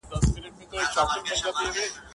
ما یي سرونه تر عزت جارول،